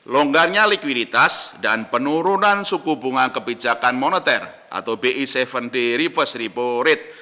longgarnya likuiditas dan penurunan suku bunga kebijakan moneter atau bi tujuh day reverse repo rate